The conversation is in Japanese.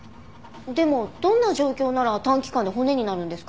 でもどんな状況なら短期間で骨になるんですか？